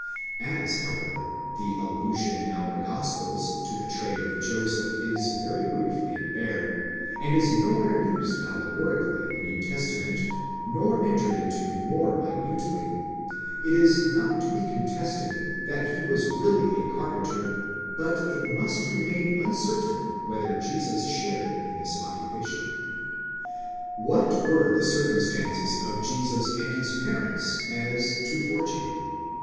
As however the allusion in our Gospels to the trade of Joseph is very brief and bare, and is nowhere used allegorically in the New Testament, nor entered into more minutely ; it is not to be contested that he was really a carpenter ; but it must remain uncertain whether Jesus shared in this occupation. What were the circumstances of Jesus and his parents as to fortune?